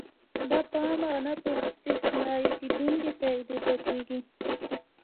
دا په عامې او نه استثنا کېدونکې قاعدې بدلیږي.